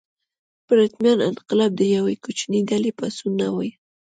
پرتمین انقلاب د یوې کوچنۍ ډلې پاڅون نه و.